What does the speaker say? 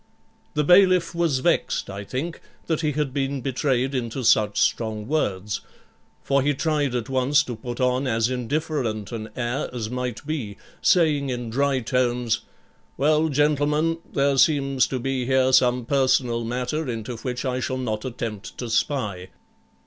The bailiff was vexed, I think, that he had been betrayed into such strong words; for he tried at once to put on as indifferent an air as might be, saying in dry tones, 'Well, gentlemen, there seems to be here some personal matter into which I shall not attempt to spy.